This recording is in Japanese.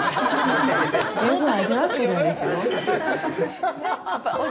十分味わってるんですよ。